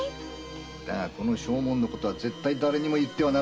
この証文のことは絶対誰にも言ってはならんぞ。